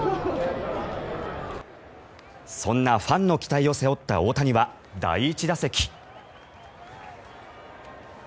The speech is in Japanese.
そんなファンの期待を背負った大谷は、第１打席。